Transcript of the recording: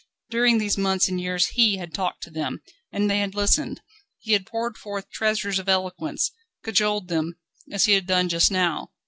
During these months and years he had talked to them, and they had listened; he had poured forth treasures of eloquence, cajoled them, as he had done just now.